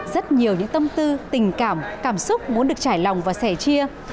rất nhiều những tâm tư tình cảm cảm xúc muốn được trải lòng và sẻ chia